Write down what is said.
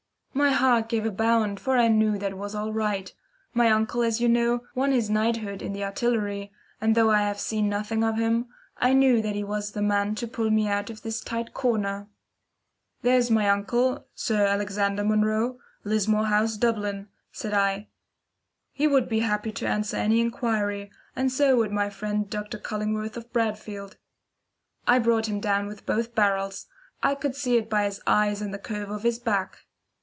My heart gave a bound, for I knew that all was right. My uncle, as you know, won his knighthood in the Artillery, and though I have seen nothing of him, I knew that he was the man to pull me out of this tight corner. "There's my uncle, Sir Alexander Munro, Lismore House, Dublin," said I. "He would be happy to answer any inquiry, and so would my friend Dr. Cullingworth of Bradfield." I brought him down with both barrels. I could see it by his eyes and the curve of his back.